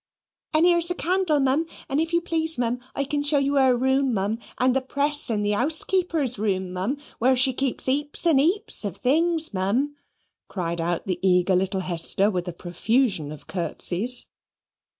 "And here's a candle, Mum, and if you please, Mum, I can show you her room, Mum, and the press in the housekeeper's room, Mum, where she keeps heaps and heaps of things, Mum," cried out the eager little Hester with a profusion of curtseys.